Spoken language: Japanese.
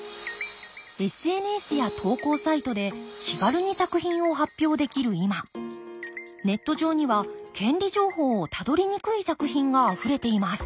ＳＮＳや投稿サイトで気軽に作品を発表できる今ネット上には権利情報をたどりにくい作品があふれています。